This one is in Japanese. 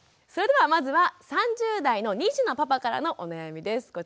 それではまずは３０代の２児のパパからのお悩みです。